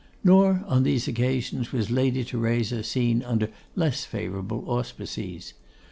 Nor on these occasions was Lady Theresa seen under less favourable auspices.